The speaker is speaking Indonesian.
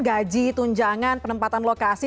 gaji tunjangan penempatan lokasi